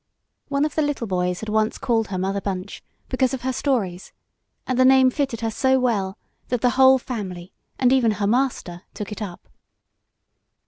One of the little boys had once called her Mother Bunch, because of her stories; and the name fitted her so well that the whole family, and even her master, took it up.